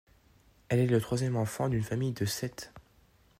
Elle est la troisième enfant d’une famille de sept.